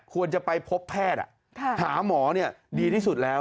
ควรจะไปพบแพทย์อ่ะหาหมอเนี่ยดีที่สุดแล้ว